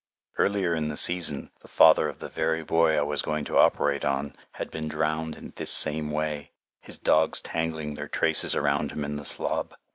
Earlier in the season the father of the very boy I was going to operate on had been drowned in this same way, his dogs tangling their traces around him in the slob.